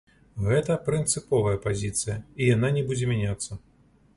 Гэта прынцыповая пазіцыя, і яна не будзе мяняцца.